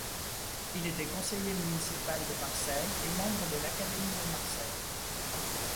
Il était conseiller municipal de Marseille et membre de l'Académie de Marseille.